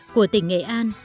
của tỉnh nghệ an